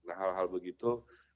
nah hal hal begitu